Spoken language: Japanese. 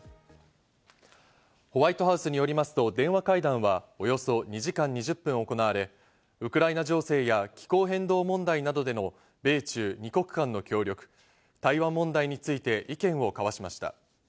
ホワイトハウスによりますと、電話会談はおよそ２時間２０分行われ、ウクライナ情勢や気候変動問題などでの米中二国間の協力、台湾問題について意見を交わしました。